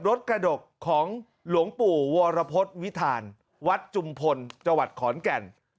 รถกระดกของหลวงปู่วรพฤตวิทานวัดจุมพลจขอนแก่น